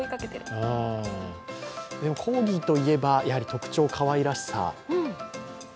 でもコーギーといえば、やはり特徴、かわいらしさ。